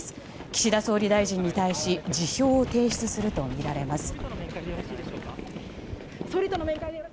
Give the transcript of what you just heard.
岸田総理大臣に対し辞表を提出するとみられます。